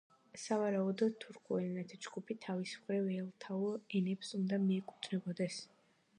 სავარაუდოდ, თურქულ ენათა ჯგუფი, თავის მხრივ, ალთაურ ენებს უნდა მიეკუთვნებოდეს.